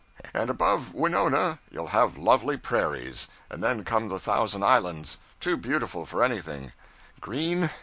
And above Winona you'll have lovely prairies; and then come the Thousand Islands, too beautiful for anything; green?